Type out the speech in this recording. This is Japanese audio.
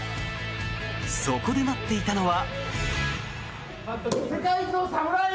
そこで待っていたのは。